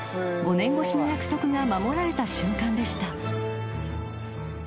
［５年越しの約束が守られた瞬間でした］